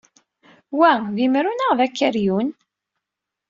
Wa d imru neɣ d akeryun?